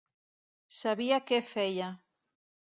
Sabia què feia.